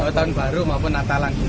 jadi pastikan sarana retail sarana desain